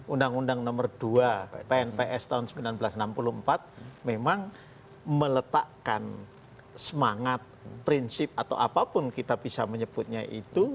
undang undang nomor dua pnps tahun seribu sembilan ratus enam puluh empat memang meletakkan semangat prinsip atau apapun kita bisa menyebutnya itu